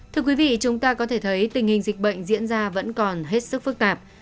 thưa quý vị chúng ta có thể thấy tình hình dịch bệnh diễn ra vẫn còn hết sức phức tạp